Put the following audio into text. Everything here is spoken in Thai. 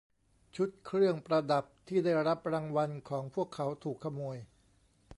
ชุดเครื่องประดับที่ได้รับรางวัลของพวกเขาถูกขโมย